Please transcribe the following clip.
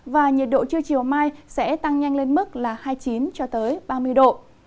và nhiệt độ trưa chiều mai sẽ tăng nhanh lên mức là hai mươi chín cho tới ba mươi độ